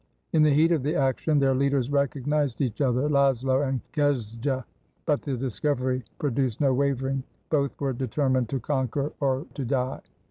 In the heat of the action, their leaders recognized each other — Laszlo and Gejza ! But the discovery produced no wavering — both were determined to conquer or to die.